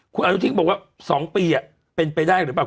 คุณอนุทินบอกว่า๒ปีเป็นไปได้หรือเปล่า